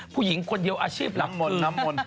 ผู้หญิงคนเดียวอาชีพหลักคือน้ำมนน้ำมน